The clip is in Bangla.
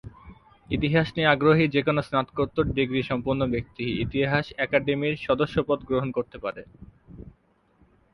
ইতিহাস নিয়ে আগ্রহী যেকোন স্নাতকোত্তর ডিগ্রী সম্পন্ন ব্যক্তি ইতিহাস একাডেমীর সদস্যপদ গ্রহণ করতে পারে।